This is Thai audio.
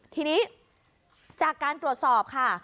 ทีนี้จากการตรวจสอบค่ะ